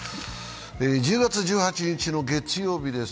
１０月１８日の月曜日です。